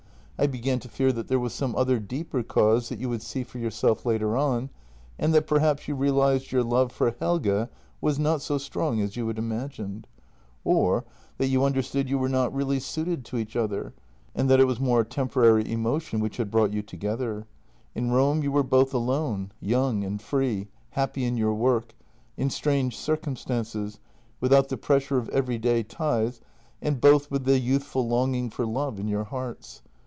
I began to fear that there was some other deeper cause that you would see for yourself later on, and that per haps you realized your love for Helge was not so strong as you had imagined. Or that you understood you were not really suited to each other, and that it was more a temporary emotion which had brought you together. In Rome you were both alone, young and free, happy in your work; in strange circum stances, without the pressure of everyday ties, and both with the youthful longing for love in your hearts.